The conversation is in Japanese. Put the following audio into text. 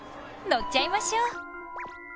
乗っちゃいましょう。